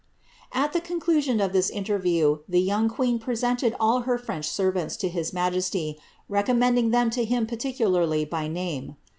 At the conclusion of this interview, the young queen presented all her French servants to his majesty, recommending them to him particularly by name.